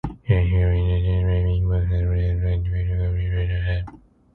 An artificial intelligence may invoke self-destruct due to cognitive dissonance.